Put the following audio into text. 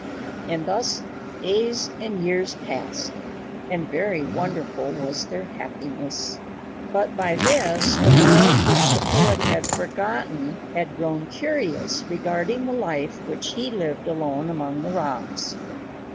And thus days and years passed, and very wonderful was their happiness. But by this the world which the poet had forgotten had grown curious regarding the life which he lived alone among the rocks.